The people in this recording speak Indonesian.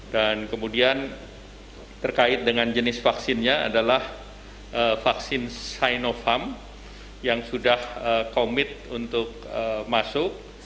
dan kemudian terkait dengan jenis vaksinnya adalah vaksin sinovac yang sudah komit untuk masuk